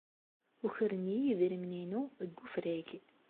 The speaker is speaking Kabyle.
Ukren-iyi idrimen-inu deg wefrag.